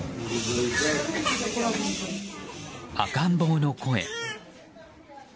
赤ん坊の声。